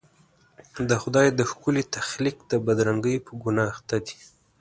د خدای د ښکلي تخلیق د بدرنګۍ په ګناه اخته دي.